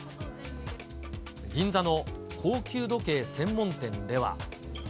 銀座の高級時計専門店では。